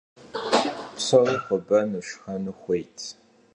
Псори хуэбэну, шхэну хуейт.